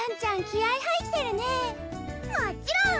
気合入ってるねもちろん！